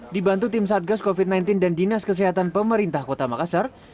dibantu tim satgas covid sembilan belas dan dinas kesehatan pemerintah kota makassar